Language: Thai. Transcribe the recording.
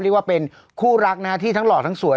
เรียกว่าเป็นคู่รักนะฮะที่ทั้งหล่อทั้งสวย